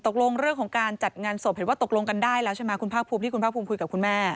คุณพ่อบอกว่าอยากทำหน้าที่ของพ่อค่อนสุดท้าย